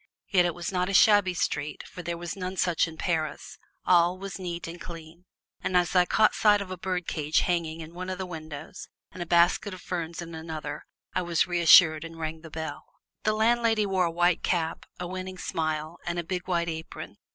Yet it was not a shabby street, for there are none such in Paris; all was neat and clean, and as I caught sight of a birdcage hanging in one of the windows and a basket of ferns in another I was reassured and rang the bell. The landlady wore a white cap, a winning smile and a big white apron.